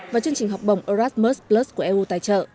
và chương trình học bổng arasmus plus của eu tài trợ